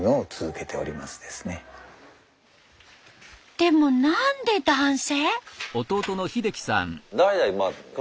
でも何で男性？